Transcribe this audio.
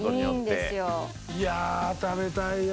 いや食べたいよ。